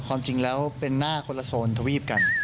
ความจริงแล้วเป็นหน้าคนละโซนทวีปกัน